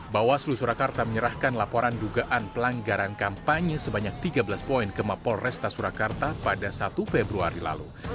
bawaslu surakarta menyerahkan laporan dugaan pelanggaran kampanye sebanyak tiga belas poin ke mapol resta surakarta pada satu februari lalu